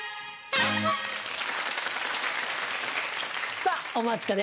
さぁお待ちかね。